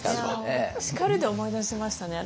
叱るで思い出しましたね。